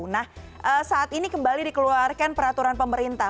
nah saat ini kembali dikeluarkan peraturan pemerintah